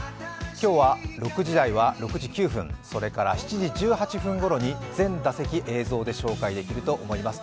今日は６時台は６時９分、それから７時１８分ごろに全打席映像で紹介できると思います。